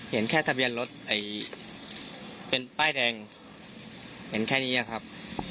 เห็นแค่ทะเบียนรถเป็นป้ายแดงเห็นแค่นี้ครับ